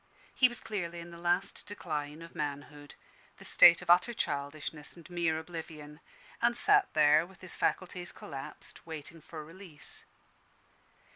He was clearly in the last decline of manhood, the stage of utter childishness and mere oblivion; and sat there with his faculties collapsed, waiting for release.